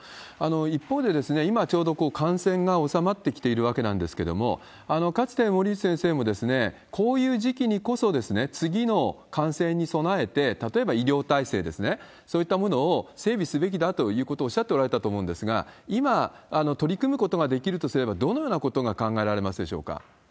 一方で今、ちょうど感染が収まってきているわけなんですけれども、かつて、森内先生もこういう時期にこそ次の感染に備えて、例えば医療体制ですね、そういったものを整備すべきだということをおっしゃっておられたと思うんですが、今、取り組むことができるとすれば、どのようなことが考えられますでしょうか？